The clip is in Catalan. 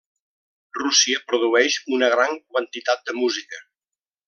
Rússia produeix una gran quantitat de música.